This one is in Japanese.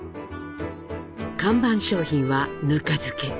看板商品はぬか漬け。